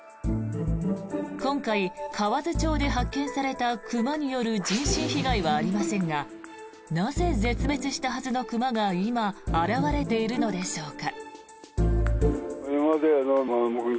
今回、河津町で発見された熊による人身被害はありませんがなぜ絶滅したはずの熊が今現れているのでしょうか。